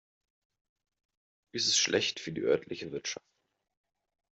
Dies ist schlecht für die örtliche Wirtschaft.